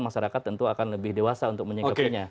masyarakat tentu akan lebih dewasa untuk menyikapinya